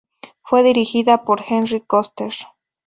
Fuer dirigida por Henry Koster.